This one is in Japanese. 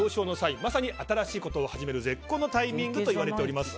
まさに新しいことを始める絶好のタイミングといわれています。